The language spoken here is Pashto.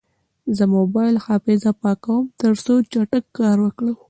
زه د موبایل حافظه پاکوم، ترڅو چټک کار وکړي.